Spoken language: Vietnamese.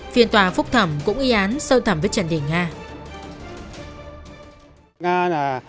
phiên tòa phúc thẩm cũng y án sơ thẩm với trần thị nga